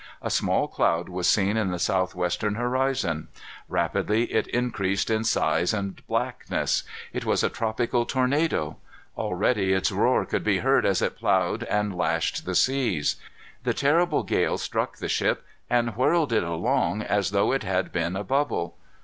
A small cloud was seen in the southwestern horizon. Rapidly it increased in size and blackness. It was a tropical tornado. Already its roar could be heard as it ploughed and lashed the seas. The terrible gale struck the ship and whirled it along as though it had been a bubble.